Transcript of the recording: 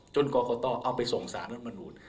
จนกรกตเอาไปส่งสหรัฐมนุษย์